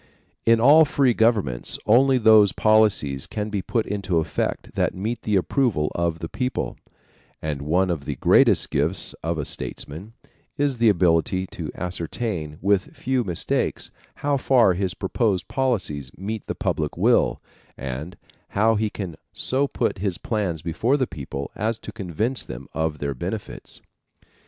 In all free governments only those policies can be put into effect that meet the approval of the people; and one of the greatest gifts of a statesman is the ability to ascertain, with few mistakes, how far his proposed policies meet the public will and how he can so put his plans before the people as to convince them of their benefits.